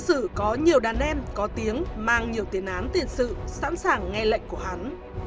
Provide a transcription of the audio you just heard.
sử có nhiều đàn em có tiếng mang nhiều tiền án tiền sự sẵn sàng nghe lệnh của hắn